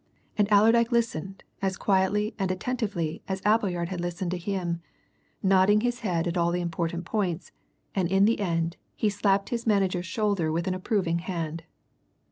And Allerdyke listened as quietly and attentively as Appleyard had listened to him, nodding his head at all the important points, and in the end he slapped his manager's shoulder with an approving hand.